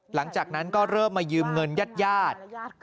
หลังจากนั้นก็เริ่มมายืมเงินญาติญาติ